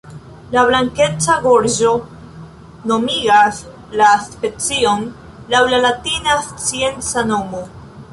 La blankeca gorĝo nomigas la specion laŭ la latina scienca nomo.